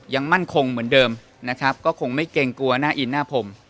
ยังมั่นคงเหมือนเดิมนะครับก็คงไม่เกรงกลัวหน้าอินหน้าพรม